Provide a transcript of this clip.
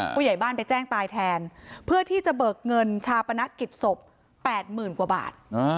ผู้ใหญ่บ้านไปแจ้งตายแทนเพื่อที่จะเบิกเงินชาปนกิจศพ๘๐๐๐กว่าบาท